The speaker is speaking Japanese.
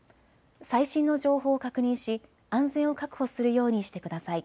最新の情報を確認し安全を確保するようにしてください。